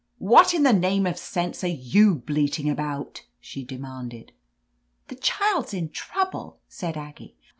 ".What in the name of sense are you bleating, about?' she demanded. "The child's in trouble, said Aggie.